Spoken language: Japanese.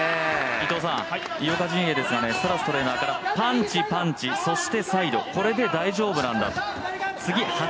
井岡陣営ですが、サラストレーナーからパンチ、パンチそしてサイド、これで大丈夫なんだと。